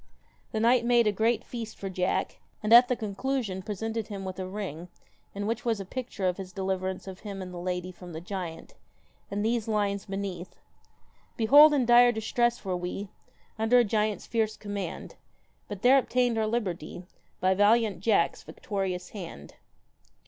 The knight made a great feast for Jack, and at the conclusion presented him with a ring in which was a picture of his deliverance of him and the lady from the giant, and these lines beneath :' Behold in dire distress were we, Under a giant's fierce command ; But there obtained our liberty By valiant Jack's victorious hand.'